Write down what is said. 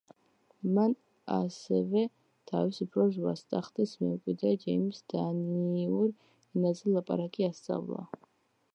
მან ასევე თავის უფროს ვაჟს, ტახტის მემკვიდრე ჯეიმზს დანიურ ენაზე ლაპარაკი ასწავლა.